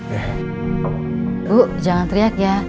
ibu jangan teriak ya